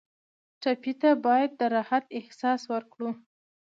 ټپي ته باید د راحت احساس ورکړو.